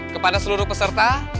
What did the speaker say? kepada seluruh peserta